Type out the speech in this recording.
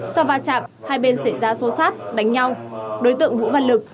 sau va chạm hai bên xảy ra xô xát đánh nhau